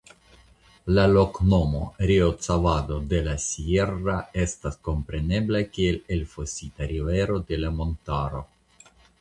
La loknomo "Riocavado de la Sierra" estas komprenebla kiel Elfosita Rivero de la Montaro.